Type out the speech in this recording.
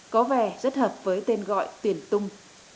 có vẻ rất hợp với tên gọi tuyển tung